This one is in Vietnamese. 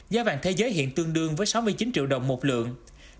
giá vàng thế giới hiện tương đương với sáu mươi chín usd một ounce